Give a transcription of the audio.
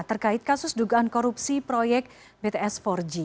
terkait kasus dugaan korupsi proyek bts empat g